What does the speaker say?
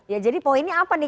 ya jadi poinnya apa nih